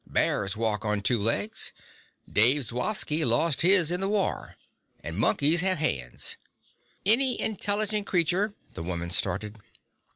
"Bears walk on two legs! Dave Zawocky lost his in the war. Monkeys have hands." "Any intelligent creature " the woman started.